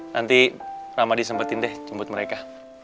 nanti rahmadi sempetin deh jemput mereka